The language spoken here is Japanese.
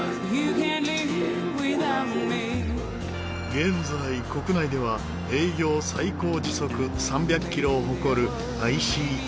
現在国内では営業最高時速３００キロを誇るＩＣＥ。